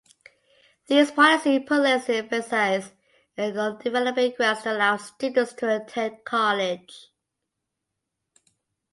These policies put less emphasis on developing grants to allow students to attend college.